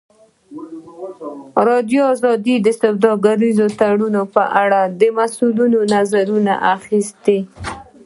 ازادي راډیو د سوداګریز تړونونه په اړه د مسؤلینو نظرونه اخیستي.